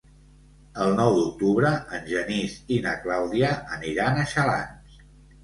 El nou d'octubre en Genís i na Clàudia aniran a Xalans.